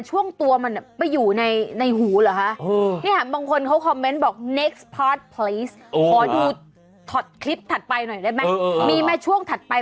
สงสัยต้องรอดูภาคต่อไปจะมีอะไร